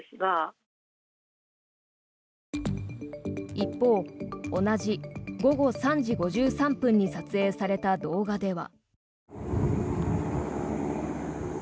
一方、同じ午後３時５３分に撮影された動画では。